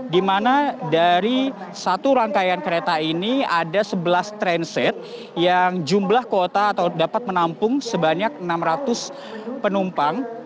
di mana dari satu rangkaian kereta ini ada sebelas transit yang jumlah kuota atau dapat menampung sebanyak enam ratus penumpang